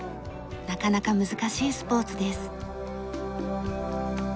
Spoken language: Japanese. なかなか難しいスポーツです。